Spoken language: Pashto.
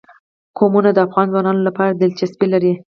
قومونه د افغان ځوانانو لپاره دلچسپي لري.